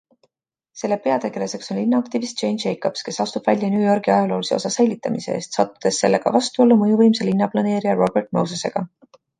Selle peategelaseks on linnaaktivist Jane Jacobs, kes astub välja New Yorgi ajaloolise osa säilitamise eest, sattudes sellega vastuollu mõjuvõimsa linnaplaneerija Robert Mosesega.